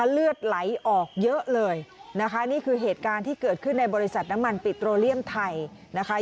เลือดไหลออกเยอะเลยนะคะนี่คือเหตุการณ์ที่เกิดขึ้นในบริษัทน้ำมันปิโตเลียมไทยนะคะ